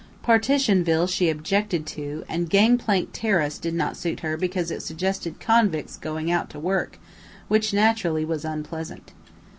"Partitionville," she objected to, and "Gangplank Terrace," did not suit her because it suggested convicts going out to work, which naturally was unpleasant.